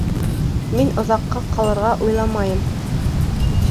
Мин оҙаҡҡа ҡалырға уйламайым